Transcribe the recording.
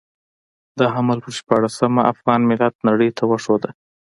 د حمل پر شپاړلسمه افغان ملت نړۍ ته وښوده.